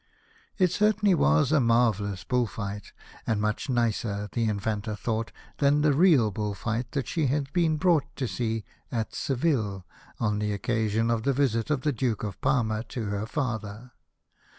It certainly was a marvellous bull fight, and much nicer, the Infanta thought, than the real bull fight that she had been brought to see at Seville, on the occasion of the visit of the Duke of Parma to her father.